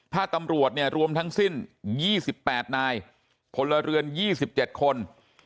ถ้าตำรวจเนี่ยรวมทั้งสิ้น๒๘นายพลเรือน๒๗คน